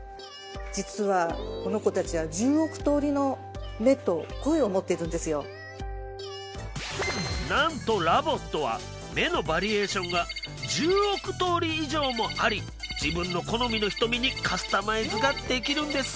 実はこの子たちはなんとＬＯＶＯＴは目のバリエーションが１０億通り以上もあり自分の好みの瞳にカスタマイズができるんです。